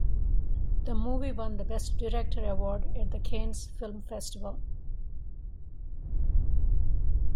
The movie won the Best Director award at the Cannes Film Festival.